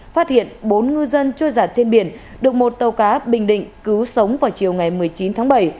phát hiện bốn ngư dân trôi giặt trên biển được một tàu cá bình định cứu sống vào chiều ngày một mươi chín tháng bảy